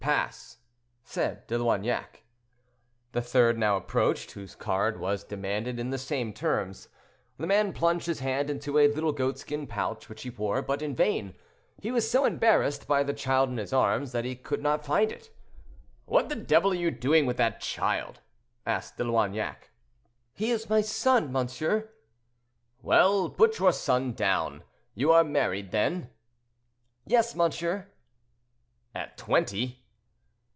pass," said De Loignac. The third now approached, whose card was demanded in the same terms. The man plunged his hand into a little goatskin pouch which he wore, but in vain; he was so embarrassed by the child in his arms, that he could not find it. "What the devil are you doing with that child?" asked De Loignac. "He is my son, monsieur." "Well; put your son down. You are married, then?"— "Yes, monsieur." "At twenty?"